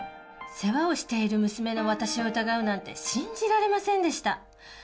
世話をしている娘の私を疑うなんて信じられませんでした。